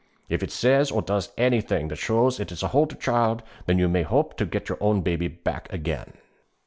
If it says or does anything that shows it is a Hulderchild, then you may hope to get your own baby back again.'